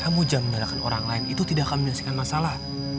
kamu jangan orang lain itu tidak akan menyelesaikan masalah